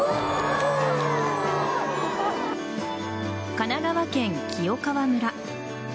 神奈川県清川村。